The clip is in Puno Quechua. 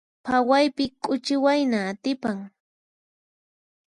Phawaypi k'uchi wayna atipan.